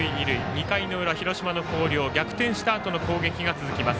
２回の裏、広島の広陵逆転したあとの攻撃が続きます。